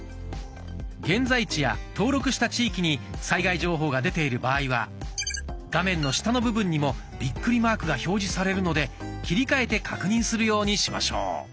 現在地や登録した地域に災害情報が出ている場合は画面の下の部分にもビックリマークが表示されるので切り替えて確認するようにしましょう。